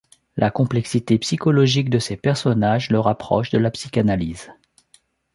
La complexité psychologique de ses personnages le rapproche de la psychanalyse.